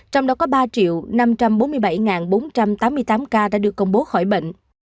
trong đó có ba năm trăm bốn mươi bảy bốn trăm tám mươi tám ca đã được công bố khỏi bệnh